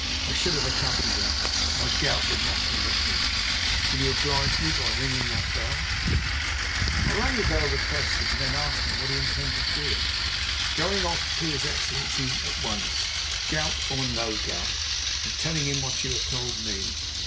I should have accompanied her, but my gout would not permit me. Will you oblige me by ringing that bell?" I rang the bell as requested, and then asked what he intended doing. "Going off to his Excellency at once, gout or no gout, and telling him what you have told me.